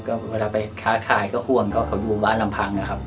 ก็เวลาไปค้าขายก็ห่วงก็เขาอยู่บ้านลำพังนะครับ